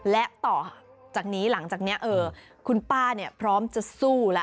และต่อจากนี้หลังจากนี้เออคุณป้าเนี่ยพร้อมจะสู้ละ